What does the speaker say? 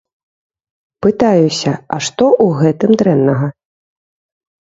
Пытаюся, а што у гэтым дрэннага?